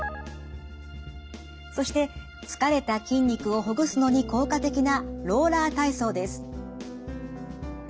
そして疲れた筋肉をほぐすのに効果的なローラー体操です。